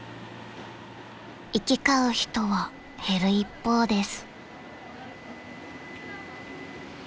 ［行き交う人は減る一方です］